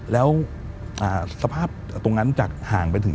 แล้วสภาพตรงนั้นจากห่างไปถึง